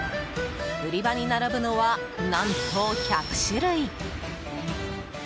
売り場に並ぶのは何と１００種類！